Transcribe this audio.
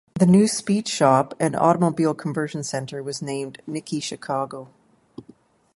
The New Speed Shop and Automobile Conversion Center was named "Nickey Chicago".